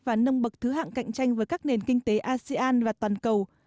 và nâng bậc thứ hạng cạnh tranh với các nền kinh tế asean và toàn cầu